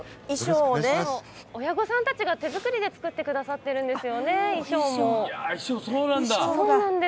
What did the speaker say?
衣装、親御さんたちが手作りで作ってくださってるんです。